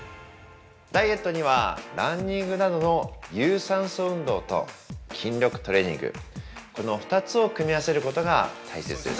◆ダイエットにはランニングなどの有酸素運動と筋力トレーニング、この２つを組み合わせることが大切です。